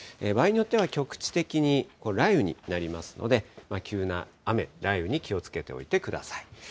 場合によっては局地的に雷雨になりますので、急な雨、雷雨に気をつけておいてください。